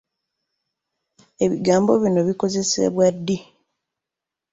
Ebigambo bino bikozesebwa ddi?